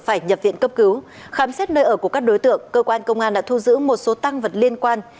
phải nhập viện cấp cứu khám xét nơi ở của các đối tượng cơ quan công an đã thu giữ một số tăng vật liên quan